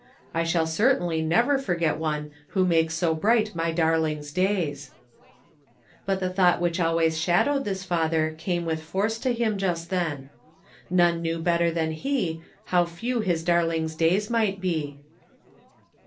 I shall certainly never forget one who makes so bright my darling's days." But the thought which always shadowed this father came with 268 MACHINES AND NEWS. force to him just then. None knew better than he how few his darling's days might be.